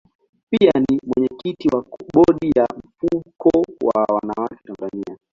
Pia ni mwenyekiti wa bodi ya mfuko wa wanawake Tanzania.